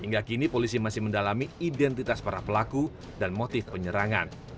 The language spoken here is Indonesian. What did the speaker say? hingga kini polisi masih mendalami identitas para pelaku dan motif penyerangan